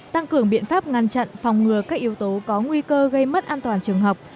tăng cường biện pháp ngăn chặn phòng ngừa các yếu tố có nguy cơ gây mất an toàn trường học